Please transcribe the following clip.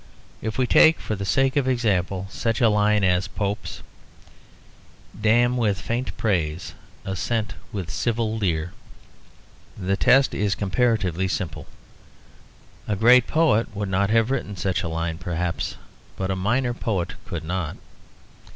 If we take, for the sake of example, such a line as Pope's: "Damn with faint praise, assent with civil leer," the test is comparatively simple. A great poet would not have written such a line, perhaps. But a minor poet could not.